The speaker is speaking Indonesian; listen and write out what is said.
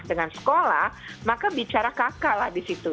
dan sekolah maka bicara kakak lah disitu